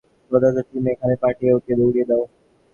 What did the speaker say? প্রত্যেকটা টিমকে ওখানে পাঠিয়ে ওকে উড়িয়ে দাও।